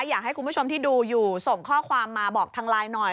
อยากให้คุณผู้ชมที่ดูอยู่ส่งข้อความมาบอกทางไลน์หน่อย